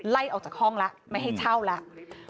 ไล่ออกจากห้องแล้วไม่ให้เช่าแล้ว